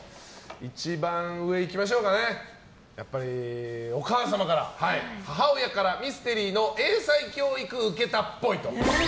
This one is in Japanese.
一番上、やっぱりお母様から母親からミステリーの英才教育受けたっぽい。